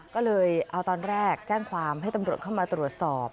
ก็เลยเอาตอนแรกแจ้งความให้ตำรวจเข้ามาตรวจสอบ